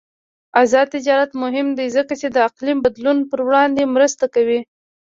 آزاد تجارت مهم دی ځکه چې د اقلیم بدلون پر وړاندې مرسته کوي.